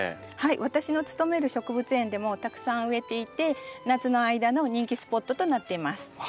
私の勤める植物園でもたくさん植えていて夏の間の人気スポットとなっています。